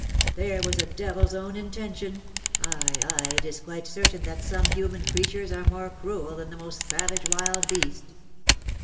"There was a devil's own invention! Ay, ay, it is quite certain that some human creatures are more cruel than the most savage wild beast!"